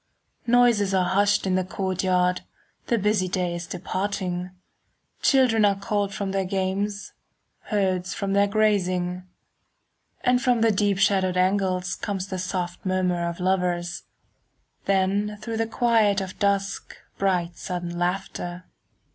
Noises are hushed in the courtyard, 5 The busy day is departing, Children are called from their games,— Herds from their grazing. And from the deep shadowed angles Comes the soft murmur of lovers, 10 Then through the quiet of dusk Bright sudden laughter.